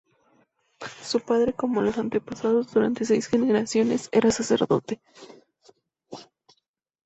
Su padre, como todos sus antepasados durante seis generaciones, era sacerdote.